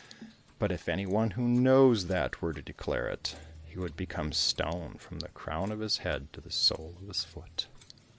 But if any one who knows that were to declare it, he would become stone from the crown of his head to the sole of his foot."